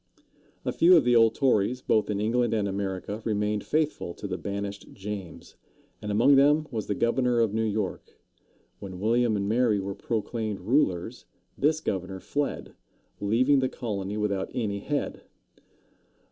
A few of the old Tories, both in England and America, remained faithful to the banished James, and among them was the governor of New York. When William and Mary were proclaimed rulers, this governor fled, leaving the colony without any head.